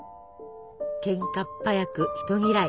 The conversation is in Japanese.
けんかっ早く人嫌い。